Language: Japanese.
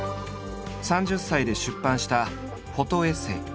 ３０歳で出版したフォトエッセイ。